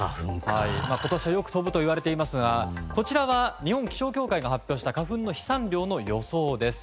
今年はよく飛ぶといわれていますがこちらは日本気象協会が発表した花粉の飛散量の予想です。